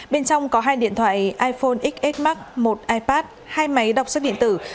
bên trong có hai điện thoại iphone xs max một ipad hai máy đọc sách điện tử